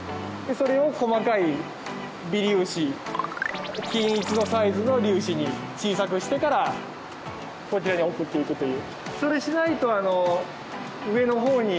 それを細かい微粒子均一のサイズの粒子に小さくしてからこちらに送っていくという。